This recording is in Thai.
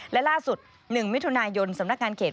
และล่าสุด๑มิถุนายนสำนักงานเขต